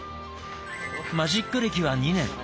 マジック歴は２年。